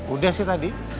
udah sih tadi